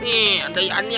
aneh ada ian nih